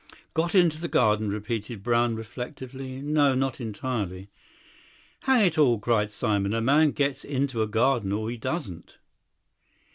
"Got into the garden?" repeated Brown reflectively. "No, not entirely." "Hang it all," cried Simon, "a man gets into a garden, or he doesn't."